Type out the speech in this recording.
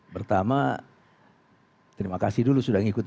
pertama terima kasih dulu sudah ngikutin